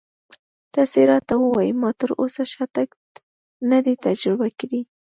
تاسې راته ووایئ ما تراوسه شاتګ نه دی تجربه کړی.